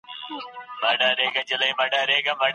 ښه ګوزاره کول د دنيا او اخرت نېکمرغي ده.